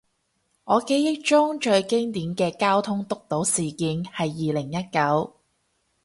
我記憶中最經典嘅交通督導事件係二零一九